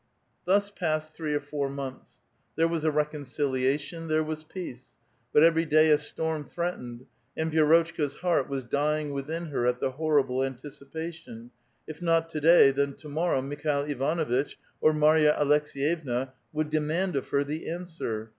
Thus passed three or four months. There was a recon ciliation, there was peace ; but every da}' a storm threat ened, and Vi6rotchka*s heart was dying within her at the horrible anticipation, — if not to day, then to morrow Mi khail Ivanuitch or Marya Aleks^yevna would demand of her the answer.